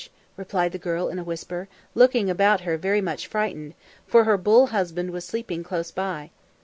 replied the girl in a whisper, looking about her very much frightened, for her bull husband was sleeping close by.